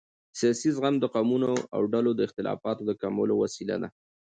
سیاسي زغم د قومونو او ډلو د اختلافاتو د کمولو وسیله ده